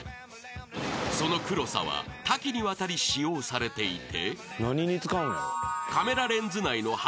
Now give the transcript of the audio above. ［その黒さは多岐にわたり使用されていて］